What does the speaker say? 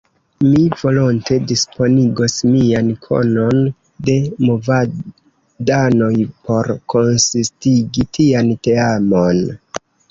Mi volonte disponigos mian konon de movadanoj por konsistigi tian teamon.